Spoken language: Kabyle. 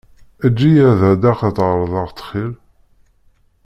Eǧǧ-iyi ad εawdeɣ ad εerḍeɣ ttxil.